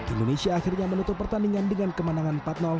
indonesia akhirnya menutup pertandingan dengan kemenangan empat